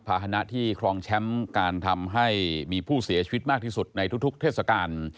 นะที่ครองแชมป์การทำให้มีผู้เสียชีวิตมากที่สุดในทุกเทศกาล